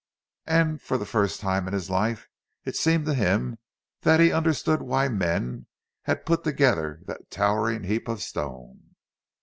And for the first time in his life it seemed to him that he understood why men had put together that towering heap of stone!